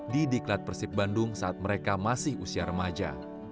di diklat persib bandung saat mereka masih usia remaja